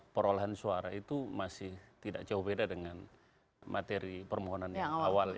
perolahan suara itu masih tidak jauh beda dengan materi permohonan yang awal